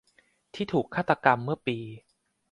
ที่ถูกฆาตกรรมเมื่อปี